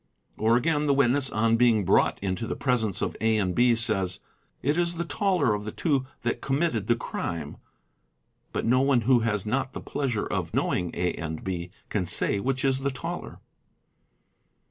Or again the witness on being brought into the presence of A & B says "It is the taller of the two 2 that committed the crime,' but no one who has not the pleasure of i knowing A & B can say which is the taller.